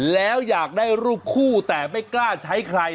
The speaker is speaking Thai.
แล้วอยากได้รูปคู่แต่ไม่กล้าใช้ใคร